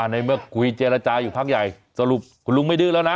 ในเมื่อคุยเจรจาอยู่พักใหญ่สรุปคุณลุงไม่ดื้อแล้วนะ